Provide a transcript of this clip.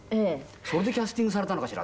それでキャスティングされたのかしら？